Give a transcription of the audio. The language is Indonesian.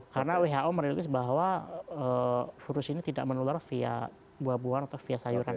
karena who merilis bahwa furus ini tidak menular via buah buahan atau via sayuran